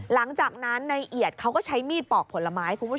หลังจากนั้นนายเอียดเขาก็ใช้มีดปอกผลไม้